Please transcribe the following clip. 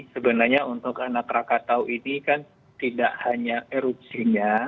sebenarnya untuk anak rakatau ini kan tidak hanya erupsinya